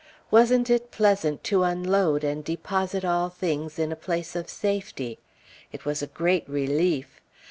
Wasn't it pleasant to unload, and deposit all things in a place of safety! It was a great relief.